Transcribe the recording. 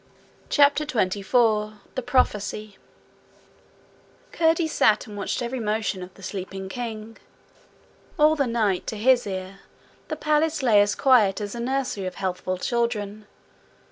CHAPTER 24 The Prophecy Curdie sat and watched every motion of the sleeping king. All the night, to his ear, the palace lay as quiet as a nursery of healthful children.